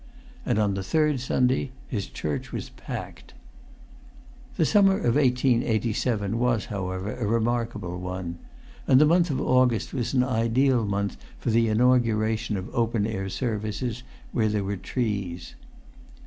And on the third Sunday his church was packed. The summer of 1887 was, however, a remarkable one. And the month of August was an ideal month for the inauguration of open air services, where there were trees.